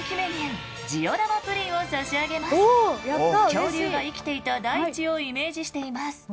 恐竜が生きていた大地をイメージしています。